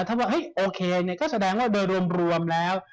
ว่าเฮ้ยโอเคก็แสดงว่าโดยรวมแล้ว